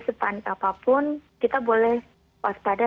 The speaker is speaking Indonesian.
sepanik apapun kita boleh waspada